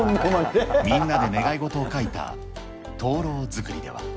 みんなで願い事を書いた灯籠作りでは。